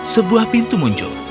sebuah pintu muncul